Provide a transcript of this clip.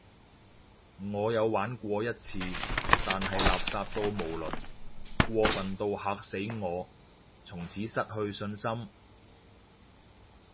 我有玩過一次，但係垃圾到無倫，過份到嚇死我，從此失去信心